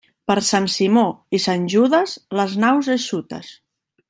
Per Sant Simó i Sant Judes, les naus eixutes.